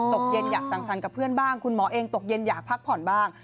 ตกเย็นอยากสั่งสรรค์กับเพื่อนบ้างคุณหมอเองตกเย็นอยากพักผ่อนบ้าง